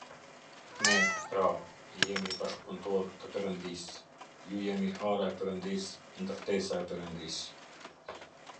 Ne, pra, jemi bashkëpunëtorë të Perëndisë; ju jeni ara e Perëndisë, ndërtesa e Perëndisë.